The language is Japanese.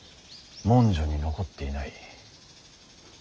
文書に残っていない。